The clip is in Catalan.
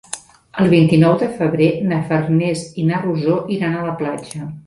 El vint-i-nou de febrer na Farners i na Rosó iran a la platja.